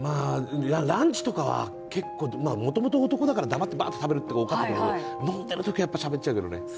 ランチとかは結構、もともと男だから黙ってばーっと食べるけど飲んでるときはやっぱりしゃべっちゃうけどね。